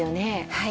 はい。